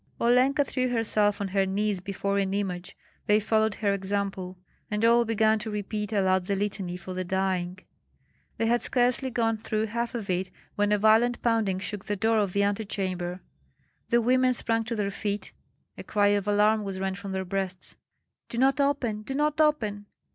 Olenka threw herself on her knees before an image; they followed her example, and all began to repeat aloud the litany for the dying. They had scarcely gone through half of it when a violent pounding shook the door of the antechamber. The women sprang to their feet; a cry of alarm was rent from their breasts. "Do not open! do not open!"